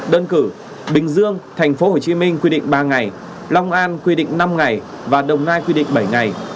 đơn cử bình dương tp hcm quy định ba ngày long an quy định năm ngày và đồng nai quy định bảy ngày